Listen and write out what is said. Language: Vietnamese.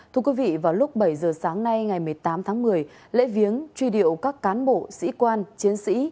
thưa quý vị vào lúc bảy giờ sáng nay ngày một mươi tám tháng một mươi lễ viếng truy điệu các cán bộ sĩ quan chiến sĩ